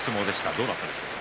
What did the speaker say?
どうだったでしょうか。